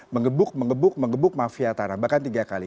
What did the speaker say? mengebuk mengebuk mengebuk mafia tanah bahkan tiga kali